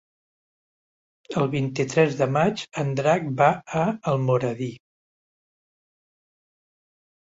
El vint-i-tres de maig en Drac va a Almoradí.